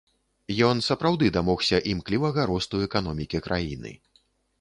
Ён сапраўды дамогся імклівага росту эканомікі краіны.